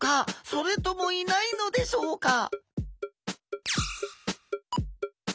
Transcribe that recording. それともいないのでしょうか？